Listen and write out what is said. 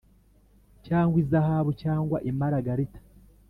cyangwa izahabu cyangwa imaragarita